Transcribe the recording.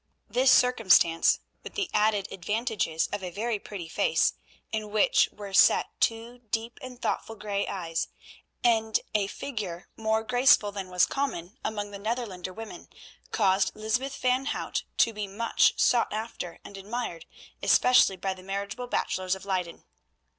This circumstance, with the added advantages of a very pretty face, in which were set two deep and thoughtful grey eyes, and a figure more graceful than was common among the Netherlander women, caused Lysbeth van Hout to be much sought after and admired, especially by the marriageable bachelors of Leyden.